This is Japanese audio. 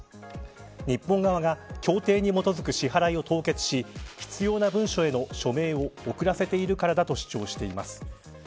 日本側が協定に基づく支払いを凍結し必要な文書への署名を遅らせているからだと主張しています。